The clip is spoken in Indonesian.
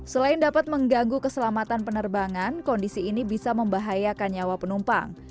selain dapat mengganggu keselamatan penerbangan kondisi ini bisa membahayakan nyawa penumpang